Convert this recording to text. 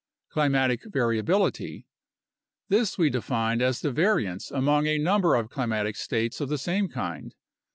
Climatic variability. This we define as the variance among a number of climatic states of the same kind.